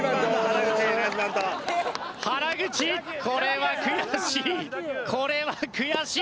原口これは悔しい！